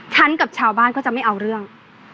ฉันกับชาวบ้านก็จะไม่เอาเรื่อง